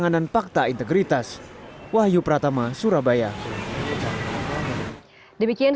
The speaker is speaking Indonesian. selain pelantikan juga akan ada pelantikan